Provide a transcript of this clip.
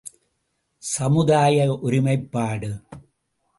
சமுதாய ஒருமைப்பாடு ….